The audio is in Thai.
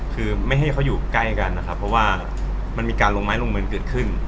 คือไม่ให้เขาอยู่ใกล้กันนะครับเพราะว่ามันมีการลงไม้ลงมือเกิดขึ้น